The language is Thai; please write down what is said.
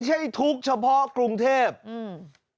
ใช่ทุกข์เฉพาะกรุงเทพอืม